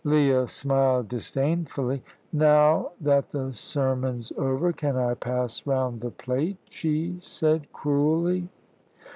Leah smiled disdainfully. "Now that the sermon's over, can I pass round the plate?" she said cruelly.